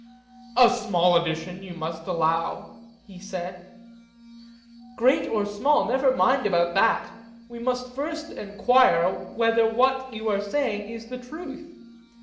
A small addition, you must allow, he said. Great or small, never mind about that: we must first enquire whether what you are saying is the truth.